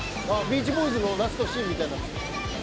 「ビーチボーイズ」のラストシーンみたいになってた。